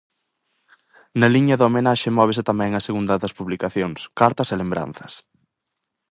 Na liña da homenaxe móvese tamén a segunda das publicacións, Cartas e lembranzas.